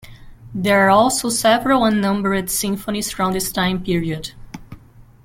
There are also several "unnumbered" symphonies from this time period.